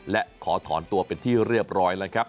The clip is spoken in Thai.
และขอถอนตัวเป็นที่เรียบร้อยแล้วครับ